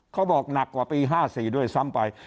เขาบอกหนักกว่าปี๕๔ด้วยซ้ำไป